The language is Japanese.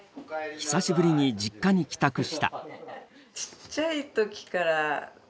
久しぶりに実家に帰宅した。